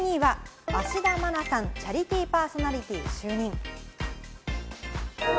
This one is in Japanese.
そして２位は芦田愛菜さん、チャリティーパーソナリティー就任。